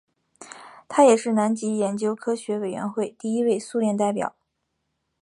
他也是南极研究科学委员会第一位苏联代表。